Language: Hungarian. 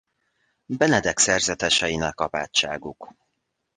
Benedek szerzeteseinek apátságuk.